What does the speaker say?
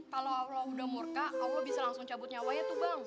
kalau allah udah murka allah bisa langsung cabut nyawanya tuh bang